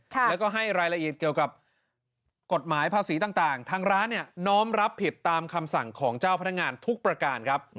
แล้วก็ให้รายละเอียดเกี่ยวกับกฎหมายภาษีต่างทางร้านเนี่ยน้อมรับผิดตามคำสั่งของเจ้าพนักงานทุกประการครับ